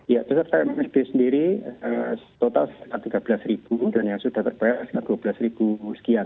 ya peserta msb sendiri total tiga belas dan yang sudah terbayar sekitar dua belas ribu sekian